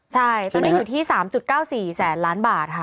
ใช่ตอนนี้อยู่ที่๓๙๔แสนล้านบาทค่ะ